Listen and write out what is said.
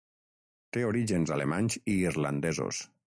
Té orígens alemanys i irlandesos.